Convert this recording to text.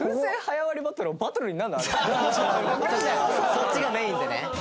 そっちがメインでね。